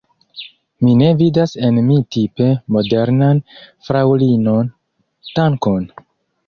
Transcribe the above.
Mi ne vidas en mi tipe modernan fraŭlinon; dankon!